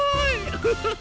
ワハハハ！